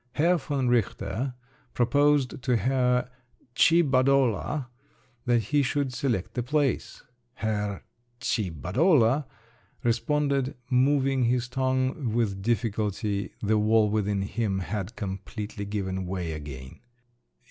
Herr von Richter proposed to Herr "Tshibadola" that he should select the place; Herr "Tshibadola" responded, moving his tongue with difficulty—"the wall" within him had completely given way again.